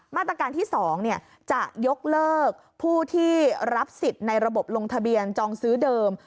มาตรการที่๒จะยกเลิกผู้ที่รับสิทธิ์ในระบบลงทะเบียนจองซื้อเดิม